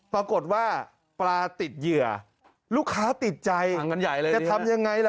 ปรากฏว่าปลาติดเหยื่อลูกค้าติดใจเลยจะทำยังไงล่ะ